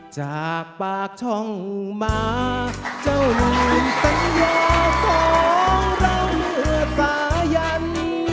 จากปากช่องมาเจ้าลืมสัญญาของเราเมื่อสายัน